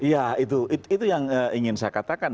ya itu yang ingin saya katakan